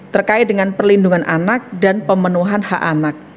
terkait dengan perlindungan anak dan pemenuhan hak anak